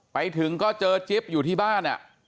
ไปถึงก็เจอจิ๊บอยู่ที่บ้าน